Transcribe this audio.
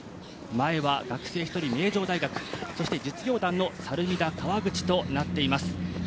前は学生１人、名城大学、そして実業団の猿見田、川口となっています。